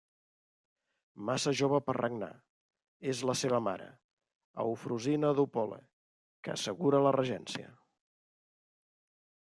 Massa jove per regnar, és la seva mare, Eufrosina d'Opole, que assegura la regència.